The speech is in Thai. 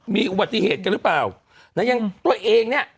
มีอุบัติเหตุกันหรือเปล่านะยังตัวเองเนี่ย